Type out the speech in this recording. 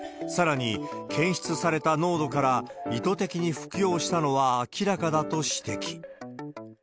さらに、検出された濃度から、意図的に服用したのは明らかだと指摘。